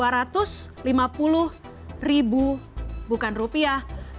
rp dua ratus lima puluh ribu bukan rupiah